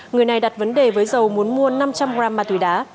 người này đặt vấn đề với dầu muốn mua năm trăm linh gram ma túy đá